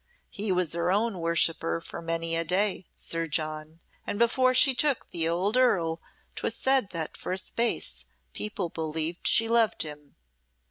He was her own worshipper for many a day, Sir John; and before she took the old earl 'twas said that for a space people believed she loved him.